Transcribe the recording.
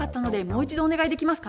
もう一度お願いします。